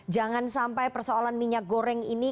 jangan sampai persoalan minyak goreng ini